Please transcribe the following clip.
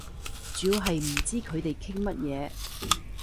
主要係唔知佢哋傾乜嘢